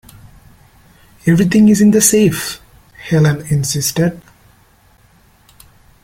"Everything is in the safe," Helene insisted.